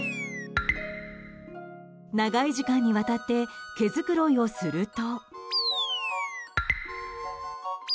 長い時間にわたって毛繕いをすると。